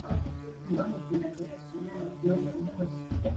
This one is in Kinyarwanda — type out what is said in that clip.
mu bamukundaga bose nta n’umwe umuhoza,